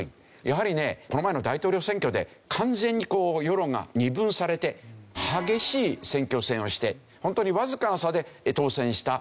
やはりねこの前の大統領選挙で完全にこう世論が二分されて激しい選挙戦をしてホントにわずかの差で当選した。